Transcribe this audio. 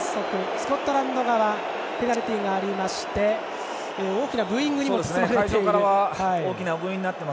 スコットランド側ペナルティーがありまして大きなブーイングにもなりました。